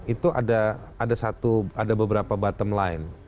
itu ada satu ada beberapa bottom line